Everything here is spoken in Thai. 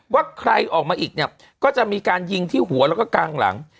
ว่าใครออกมาอีกเนี่ยก็จะมีการยิงที่หัวแล้วก็กลางหลัง